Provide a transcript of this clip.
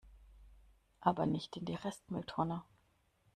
Aber nicht in die Restmülltonne!